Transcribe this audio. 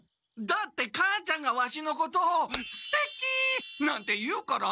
だって母ちゃんがワシのこと「ステキ！」なんて言うから。